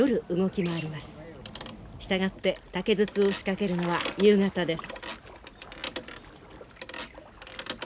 従って竹筒を仕掛けるのは夕方です。